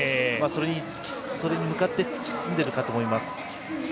それに向かって突き進んでるかと思います。